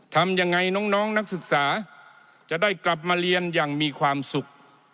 ทำยังไงน้องนักศึกษาจะได้กลับมาเรียนอย่างมีความสุข